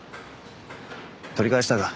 取り返したか？